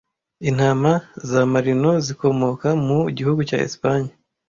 Intama za Marino zikomoka mu gihugu cya Espanye